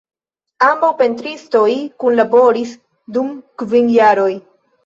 Ambaŭ pentristoj kunlaboris dum kvin jaroj.